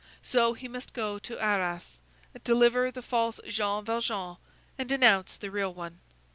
So he must go to Arras, deliver the false Jean Valjean, and denounce the real one.